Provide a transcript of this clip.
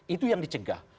itu yang dicegah